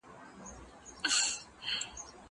که وخت وي، پلان جوړوم!